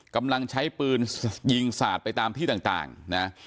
กำลังใช้ปืนยิงสาดไปตามที่ต่างนะ